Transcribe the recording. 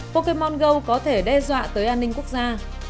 pokemon go có thể đe dọa tới an ninh quốc gia